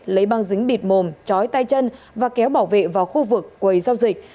lấy băng dính bịt mồm trói tay chân và kéo bảo vệ vào khu vực quầy giao dịch